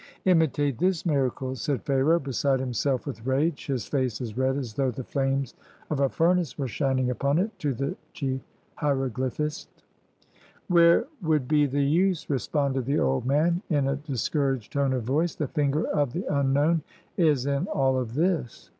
"Imitate this miracle," said Pharaoh, beside himself with rage, his face as red as though the flames of a fur nace were shining upon it, to the chief hieroglyphist. 150 LET MY PEOPLE GO "Where would be the use?" responded the old man in a discouraged tone of voice: "the finger of the Un known is in all of this.